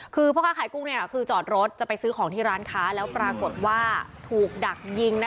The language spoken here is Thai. คือพ่อค้าขายกุ้งคือจอดรถจะไปซื้อของที่ร้านค้าแล้วปรากฏว่าถูกดักยิง